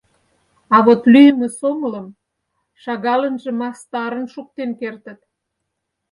А вот лӱйымӧ сомылым шагалынже мастарын шуктен кертыт.